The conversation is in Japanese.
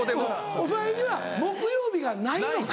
お前には木曜日がないのか。